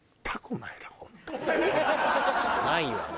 ないわね。